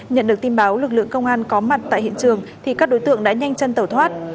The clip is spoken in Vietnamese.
nhận được tin báo lực lượng công an có mặt tại hiện trường thì các đối tượng đã nhanh chân tẩu thoát